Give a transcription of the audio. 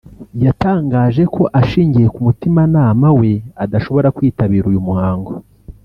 yatangaje ko ashingiye ku mutimanama we adashobora kwitabira uyu muhango